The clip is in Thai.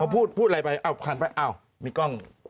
เขาพูดอะไรไปอ้าวมีกล้อง